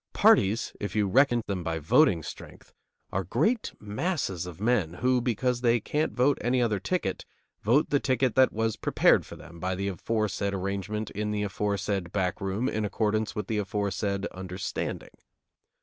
Parties, if you reckon them by voting strength, are great masses of men who, because they can't vote any other ticket, vote the ticket that was prepared for them by the aforesaid arrangement in the aforesaid back room in accordance with the aforesaid understanding.